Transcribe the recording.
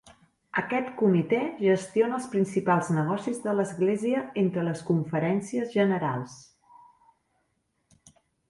Aquest comitè gestiona els principals negocis de l'església entre les conferències generals.